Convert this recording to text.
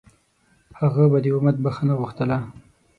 هغه به د امت بښنه غوښتله.